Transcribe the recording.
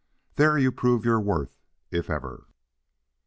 There you prove your worth, if ever.